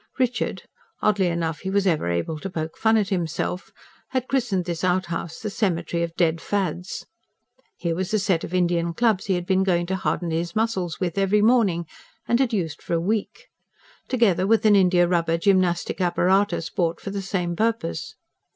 Richard oddly enough he was ever able to poke fun at himself had christened this outhouse "the cemetery of dead fads." Here was a set of Indian clubs he had been going to harden his muscles with every morning, and had used for a week; together with an india rubber gymnastic apparatus bought for the same purpose.